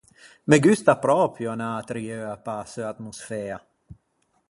Me gusta pròpio anâ à Trieua pe-a seu atmosfea.